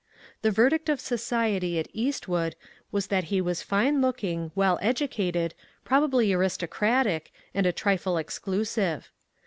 The verdict of society at Eastwood was that he was fine looking, well educated, probably aristocratic and a trifle exclusive.